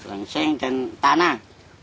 blansing dan tanah